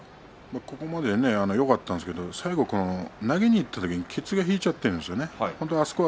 ここまではよかったんですが最後投げにいったときケツが引いちゃってるんですね。